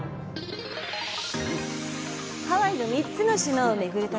ハワイの３つの島を巡る旅。